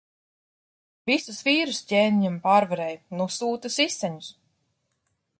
Visus vīrus ķēniņam pārvarēju. Nu sūta siseņus.